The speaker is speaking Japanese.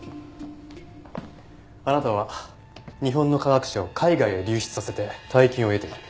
あなたは日本の科学者を海外へ流出させて大金を得ている。